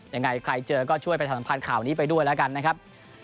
ยังไงใครเจอก็ช่วยประชาสัมพันธ์ข่าวนี้ไปด้วยแล้วกันนะครับ